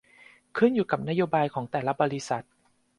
ขึ้นอยู่กับนโยบายของแต่ละบริษัท